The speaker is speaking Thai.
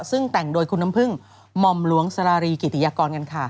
ซึ่งแต่งโดยคุณน้ำพึ่งหม่อมหลวงสารารีกิติยากรกันค่ะ